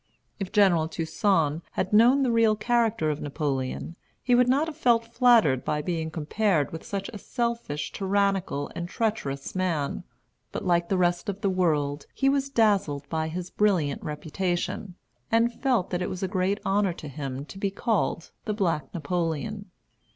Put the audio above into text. If General Toussaint had known the real character of Napoleon, he would not have felt flattered by being compared with such a selfish, tyrannical, and treacherous man. But, like the rest of the world, he was dazzled by his brilliant reputation, and felt that it was a great honor to him to be called the "The Black Napoleon."